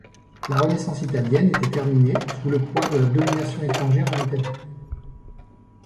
La Renaissance italienne était terminée, sous le poids de la domination étrangère en Italie.